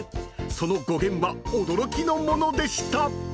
［その語源は驚きのものでした！］